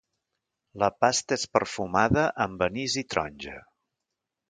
La pasta és perfumada amb anís i taronja.